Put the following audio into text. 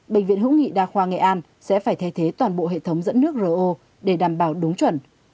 bệnh viện hữu nghị đa khoa nghệ an sẽ phải thay thế toàn bộ hệ thống dẫn nước ro để đảm bảo đúng chuẩn